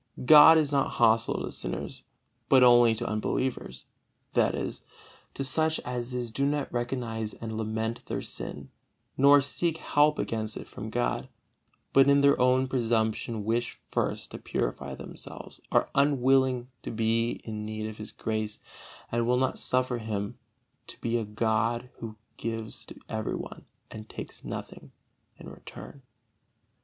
God is not hostile to sinners, but only to unbelievers, that is, to such as do not recognize and lament their sin, nor seek help against it from God, but in their own presumption wish first to purify themselves, are unwilling to be in need of His grace, and will not suffer Him to be a God Who gives to everyone and takes nothing in return.